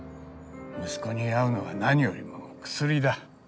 息子に会うのが何よりもの薬だ。